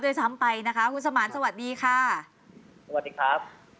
ด้วยซ้ำไปนะคะคุณสมานสวัสดีค่ะสวัสดีครับ